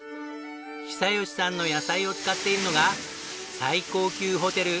久喜さんの野菜を使っているのが最高級ホテルコンラッド